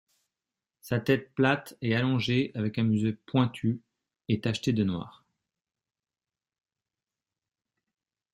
Sa tête, plate et allongée avec un museau pointu, est tachetée de noir.